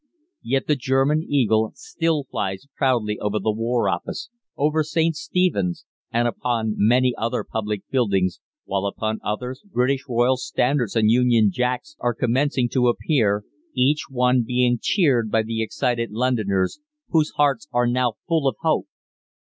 "Yet the German eagle still flies proudly over the War Office, over St. Stephen's, and upon many other public buildings, while upon others British Royal Standards and Union Jacks are commencing to appear, each one being cheered by the excited Londoners, whose hearts are now full of hope.